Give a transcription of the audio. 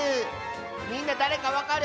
みんなだれかわかる？